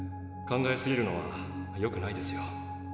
考えすぎるのはよくないですよ。